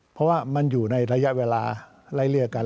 เพราะว่ามันอยู่ในระยะเวลาไล่เลี่ยกัน